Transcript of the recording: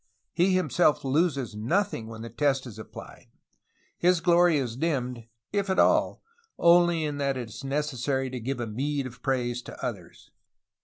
He himself loses nothing when the test is appUed. His glory is dimmed, if at all, only in that it is necessary to give a meed of praise to others.